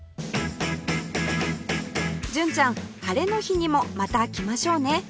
純ちゃん晴れの日にもまた来ましょうね